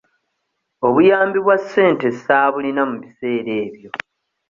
Obuyambi bwa ssente ssaabulina mu biseera ebyo.